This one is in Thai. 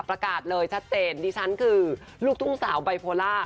ประกาศเลยชัดเจนดิฉันคือลูกทุ่งสาวไบโพล่า